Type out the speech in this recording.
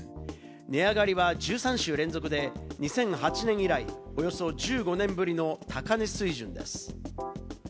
値上がりは１３週連続で、２００８年以来およそ１５年ぶりの高値水準です。